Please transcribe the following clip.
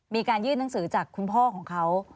มีการยื่นหนังสือจากคุณพ่อของเขา